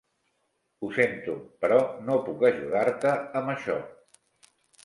Ho sento, però no puc ajudar-te amb això.